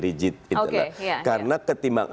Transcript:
rigid karena ketimbang